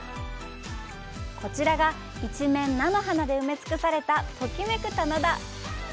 こちらが一面の菜の花で埋め尽くされたときめく棚田！